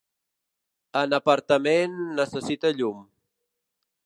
En apartament, necessita llum.